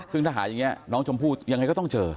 ซึ่งถ้าหาอย่างนี้น้องชมพู่ยังไงก็ต้องเจอ